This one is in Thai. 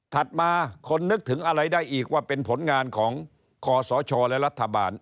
มาคนนึกถึงอะไรได้อีกว่าเป็นผลงานของคอสชและรัฐบาล